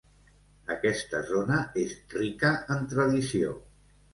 Aquesta zona és rica en tradició.